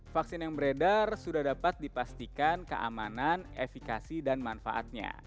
vaksin yang beredar sudah dapat dipastikan keamanan efikasi dan manfaatnya